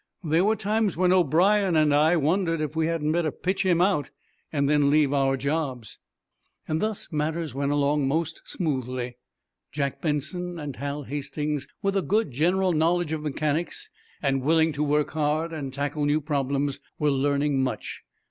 There were times when O'brien and I wondered if we hadn't better pitch him out and then leave our jobs." Thus matters went along most smoothly. Jack Benson and Hal Hastings, with a good general knowledge of mechanics, and willing to work hard and tackle new problems, were learning much.